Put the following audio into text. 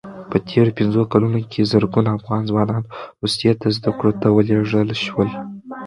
په تېرو پنځو کلونو کې زرګونه افغان ځوانان روسیې ته زدکړو ته ولېږل شول.